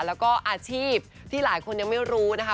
แล้วก็อาชีพที่หลายคนยังไม่รู้นะคะ